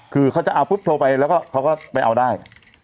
คือเขาจะเอาปุ๊บโทรไปแล้วก็เขาก็ไปเอาได้